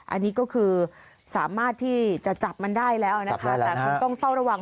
อันนี้ก็คือสามารถที่จะจับมันได้แล้วนะคะแต่คงต้องเฝ้าระวัง